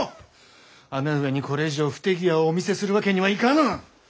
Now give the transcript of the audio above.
姉上にこれ以上不手際をお見せするわけにはいかぬ！